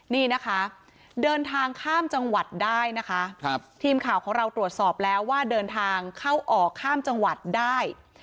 นี่นะคะเดินทางข้ามจังหวัดได้นะคะทีมข่าวของเราตรวจสอบแล้วว่าเดินทางเข้าออกข้ามจังหวัดได้